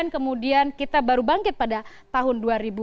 kemudian kita baru bangkit pada tahun dua ribu dua puluh